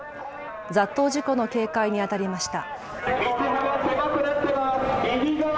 雑踏事故の警戒にあたりました。